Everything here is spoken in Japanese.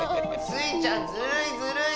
スイちゃんずるいずるい！